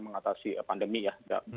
mengatasi pandemi ya